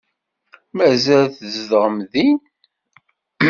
Mazal tzedɣem din?